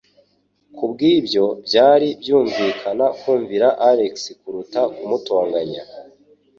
Kubwibyo, byari byumvikana kumvira Alex kuruta kumutonganya.